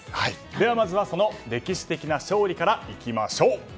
まずは歴史的な勝利からいきましょう。